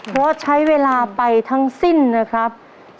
เพราะใช้เวลาไปทั้งสิ้นนะครับ